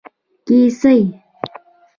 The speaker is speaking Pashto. کیسۍ